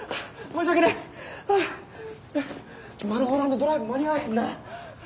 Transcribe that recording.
「マルホランド・ドライブ」間に合わへんな。